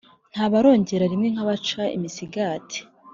Nta baronkera rimwe nk’abaca imisigati.